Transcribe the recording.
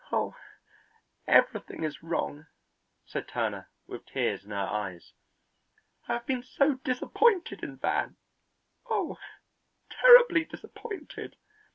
"Oh, everything is wrong," said Turner, with tears in her eyes. "I have been so disappointed in Van; oh, terribly disappointed."